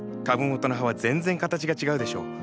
株元の葉は全然形が違うでしょ？